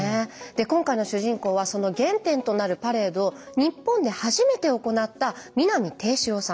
今回の主人公はその原点となるパレードを日本で初めて行った南定四郎さん。